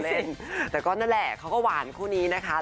แต่ก็นั่นแหละเขาก็หวานคู่นี้นะคะ